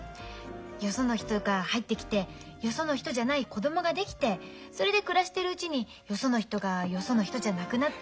よその人が入ってきてよその人じゃない子供ができてそれで暮らしてるうちによその人がよその人じゃなくなっていって。